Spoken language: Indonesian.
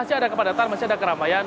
masih ada kepadatan masih ada keramaian